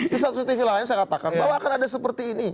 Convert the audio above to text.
di satu tv lain saya katakan bahwa akan ada seperti ini